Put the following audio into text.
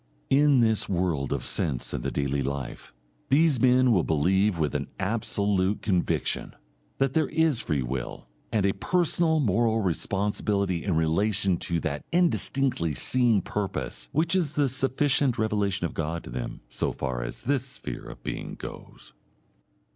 In this world of sense and the daily life, these men will believe with an absolute conviction, that there is free will and a personal moral responsibility in relation to that indistinctly seen purpose which is the sufficient revelation of God to them so far as this sphere of being goes....